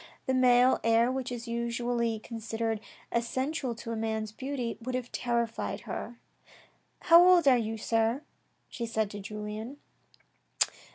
The male air, which is usually considered essential to a man's beauty, would have terrified her. " How old are you, sir, she said to Julien